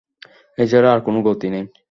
এছাড়া আর কোন গতি নেই।